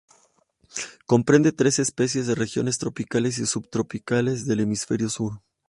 Comprende trece especies de regiones tropicales y subtropicales del Hemisferio Sur.